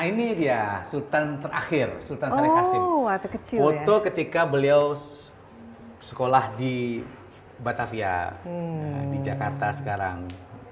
ini dia sultan terakhir sultan syarif hasim foto ketika beliau sekolah di batavia di jakarta sekarang